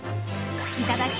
いただき！